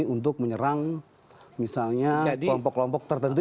untuk menyerang misalnya kelompok kelompok tertentu